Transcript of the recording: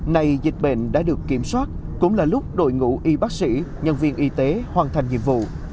nay dịch bệnh đã được kiểm soát cũng là lúc đội ngũ y bác sĩ nhân viên y tế hoàn thành nhiệm vụ